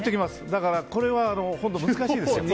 だからこれは難しいです。